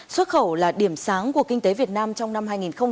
xuất khẩu là điểm sáng của kinh tế việt nam trong năm hai nghìn hai mươi